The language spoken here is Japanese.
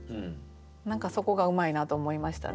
何かそこがうまいなと思いましたね。